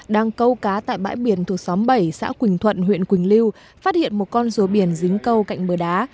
đang câu cá tại bãi biển thuộc xóm bảy xã quỳnh thuận huyện quỳnh lưu phát hiện một con rùa biển dính câu cạnh mưa đá